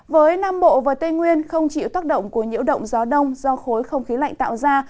với nam bộ và tây nguyên không chịu tác động của nhiễu động gió đông do khối không khí lạnh tạo ra